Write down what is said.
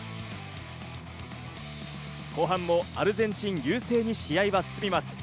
後半もアルゼンチン優勢に試合は進みます。